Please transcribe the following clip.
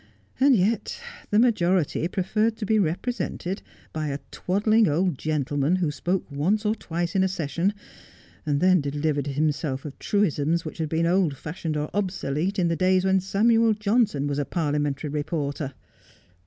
And yet the majority preferred to be represented by a twaddling old gentle man, who spoke once or twice in a session, and then delivered himself of truisms which had been old fashioned, or obsolete, in the days when Samuel Johnson was a parliamentary reporter.